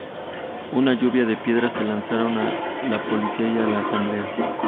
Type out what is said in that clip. Una lluvia de piedras se lanzaron a la policía y a la Asamblea.